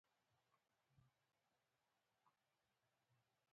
د غور خلک نن هم په خپله خوږه ژبه او کلتور ویاړي